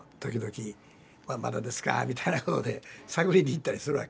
まだですかみたいなことで探りに行ったりするわけ。